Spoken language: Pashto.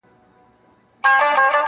دربارونه به تاوده وي د پیرانو -